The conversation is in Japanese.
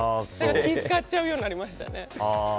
気を使っちゃうようになりましたね。